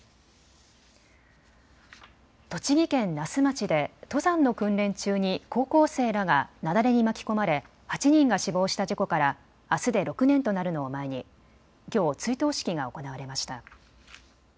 栃木県那須町で登山の訓練中に高校生らが雪崩に巻き込まれ８人が死亡した事故からあすで６年となるのを前にきょう追悼式が行われました。